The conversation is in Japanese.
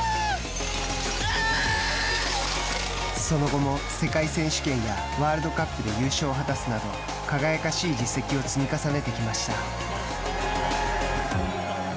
その後も、世界選手権やワールドカップで優勝を果たすなど輝かしい実績を積み重ねてきました。